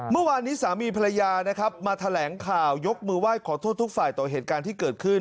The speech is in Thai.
เมื่อวานนี้สามีภรรยานะครับมาแถลงข่าวยกมือไหว้ขอโทษทุกฝ่ายต่อเหตุการณ์ที่เกิดขึ้น